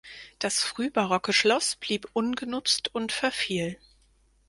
Das frühbarocke Schloss blieb ungenutzt und verfiel.